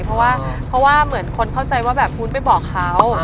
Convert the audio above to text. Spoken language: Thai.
เพราะว่าเพราะว่าเหมือนคนเข้าใจว่าแบบวุ้นไปบอกเขา